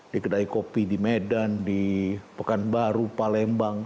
di kedai kopi di medan di pekanbaru palembang